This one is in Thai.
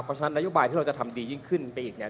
เพราะฉะนั้นนโยบายที่เราจะทำดียิ่งขึ้นไปอีกเนี่ย